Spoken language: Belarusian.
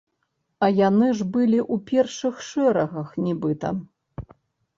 А яны ж былі ў першых шэрагах нібыта.